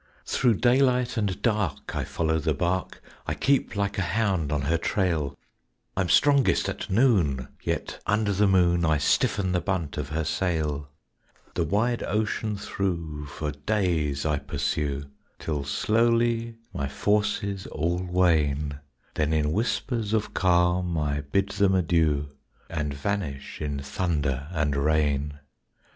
Thro' daylight and dark I follow the bark, I keep like a hound on her trail; I'm strongest at noon, yet under the moon I stiffen the bunt of her sail; The wide ocean thro' for days I pursue, Till slowly my forces all wane; Then in whispers of calm I bid them adieu And vanish in thunder and rain.